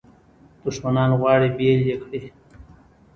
دښمنان غواړي بیل یې کړي.